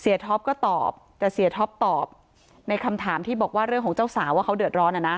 ท็อปก็ตอบแต่เสียท็อปตอบในคำถามที่บอกว่าเรื่องของเจ้าสาวว่าเขาเดือดร้อนอ่ะนะ